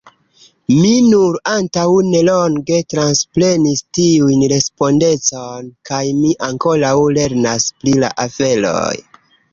Mi nur antaŭ nelonge transprenis tiun respondecon kaj mi ankoraŭ lernas pri la aferoj.